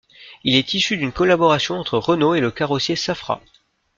Il est issu d'une collaboration entre Renault et le carrossier Safra.